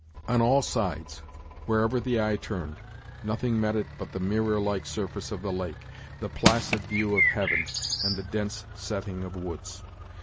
On all sides, wherever the eye turned, nothing met it but the mirror like surface of the lake, the placid view of heaven, and the dense setting of woods.